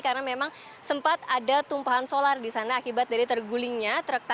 karena memang sempat ada tumpahan solar di sana akibat dari tergulingnya